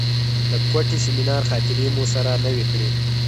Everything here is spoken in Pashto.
د کوټې سیمینار خاطرې مو سره نوې کړې.